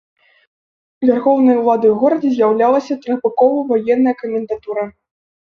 Вярхоўнай уладай у горадзе з'яўлялася трохбаковая ваенная камендатура.